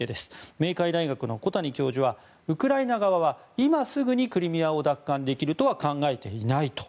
明海大学の小谷教授はウクライナ側は今すぐにクリミアを奪還できるとは考えていないと。